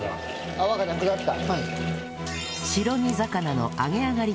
泡がなくなった。